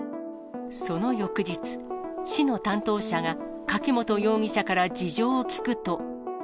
その翌日、市の担当者が柿本容疑者から事情を聴くと。